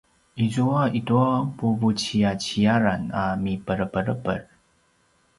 izua i tua puvuciyaciyaran a miperepereper